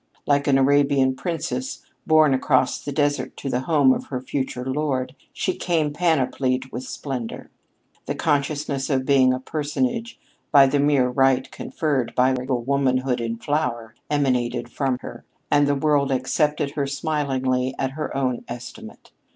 Like an Arabian princess, borne across the desert to the home of her future lord, she came panoplied with splendor. The consciousness of being a personage, by the mere right conferred by regal womanhood in flower, emanated from her. And the world accepted her smilingly at her own estimate.